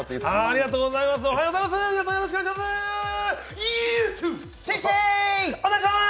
ありがとうございます。